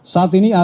saat ini ada banyak